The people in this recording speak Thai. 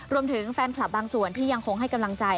รวมถึงแฟนคลับบางส่วนที่ยังคงให้กำลังใจ